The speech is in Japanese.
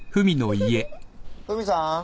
フミさん？